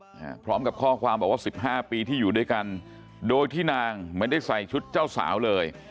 พร้อมกับข้อความบอกว่าสิบห้าปีที่อยู่ด้วยกันโดยที่นางไม่ได้ใส่ชุดเจ้าสาวเลย